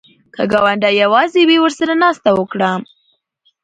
که ګاونډی یواځې وي، ورسره ناسته وکړه